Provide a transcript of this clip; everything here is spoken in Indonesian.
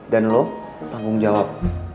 dan lo tanggung jawab